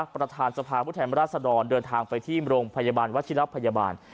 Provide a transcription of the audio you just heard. ประธานสภาพุทธแทนราชดรเดินทางไปที่โรงพยาบาลวัชิระพยาบาล